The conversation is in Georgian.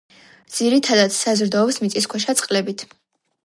ძირითადად საზრდოობს მიწისქვეშა წყლებით.